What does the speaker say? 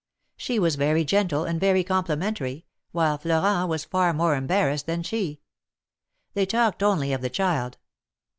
She was very gentle and very compli mentary, while Florent was far more embarrassed than she. They talked only of the child.